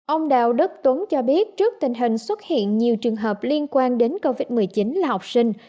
ông đào đức tuấn cho biết trước tình hình xuất hiện nhiều trường hợp liên quan đến covid một mươi chín là học sinh